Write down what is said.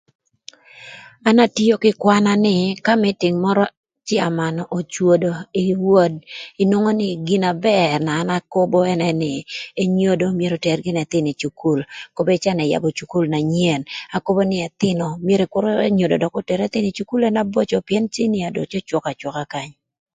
An atio kï kwana nï ka mïtïng mörö cëaman öcwödö ï wod inwongo nï gina bër na an akobo ënë nï, enyodo myero oter gïnï ëthïnö ï cukul, kobedi ï caa ni ëyabö cukul na nyen akobo nï ëthïnö myero kür enyodo dök oter ëthïnö ï cukule na boco, pïën cinia dong cwök acwöka kany.